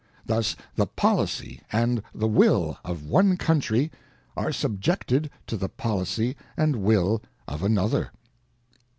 Thus the policy and the will of one country, are subjected to the pol icy and will of another.